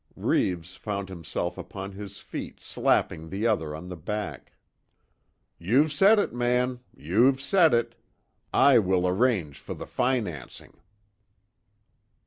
Reeves found himself upon his feet slapping the other on the back. "You've said it man! You've said it! I will arrange for the financing."